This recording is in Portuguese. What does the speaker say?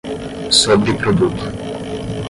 sobreproduto